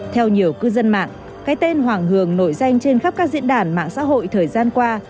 theo nhiều cư dân mạng cái tên hoàng hường nổi danh trên khắp các diễn đàn mạng xã hội thời gian qua